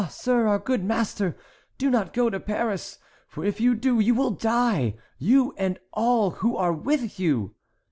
sir, our good master, do not go to Paris, for if you do, you will die—you and all who are with you!"